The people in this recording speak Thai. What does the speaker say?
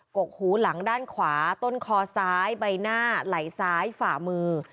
กกหูหลังด้านขวาต้นคอซ้ายใบหน้าไหล่ซ้ายฝ่ามือ